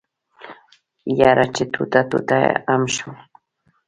يره چې ټوټه ټوټه ام شم.